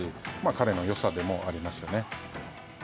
彼のよさでもありますよね。